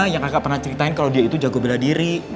yang kakak pernah ceritain kalau dia itu jago bela diri